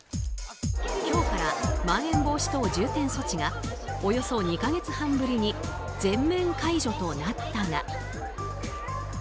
今日からまん延防止等重点措置がおよそ２か月半ぶりに全面解除となったが。